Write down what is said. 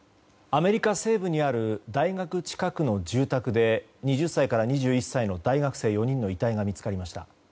アメリカ西部にある大学近くの住宅で２０歳から２１歳の大学生４人の遺体が見つかりました。